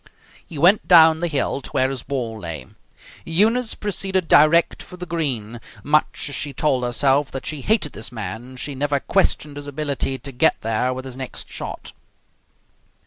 He went down the hill to where his ball lay. Eunice proceeded direct for the green. Much as she told herself that she hated this man, she never questioned his ability to get there with his next shot.